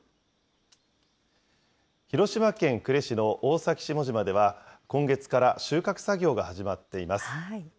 広島県呉市の大崎下島では、今月から収穫作業が始まっています。